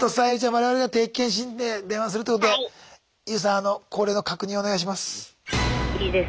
我々が定期検診で電話するということでＹＯＵさんあの恒例の確認お願いします。